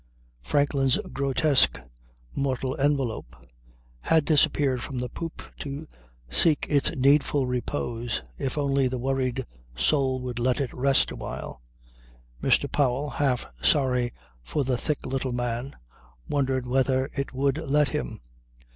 Franklin's grotesque mortal envelope had disappeared from the poop to seek its needful repose, if only the worried soul would let it rest a while. Mr. Powell, half sorry for the thick little man, wondered whether it would let him.